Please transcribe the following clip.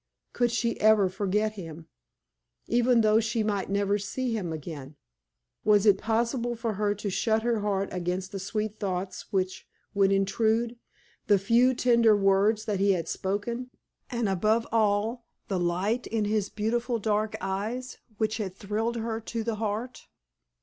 Could she ever forget him, even though she might never see him again? Was it possible for her to shut her heart against the sweet thoughts which would intrude the few tender words that he had spoken, and, above all, the light in his beautiful dark eyes, which had thrilled her to the heart?